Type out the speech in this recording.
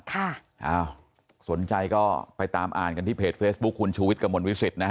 อ้าวสนใจก็ไปตามอ่านกันที่เพจเฟซบุ๊คคุณชูวิทย์กระมวลวิสิตนะฮะ